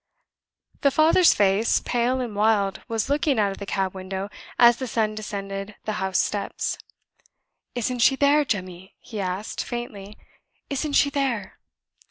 The father's face, pale and wild, was looking out of the cab window as the son descended the house steps. "Isn't she there, Jemmy?" he asked, faintly "isn't she there?"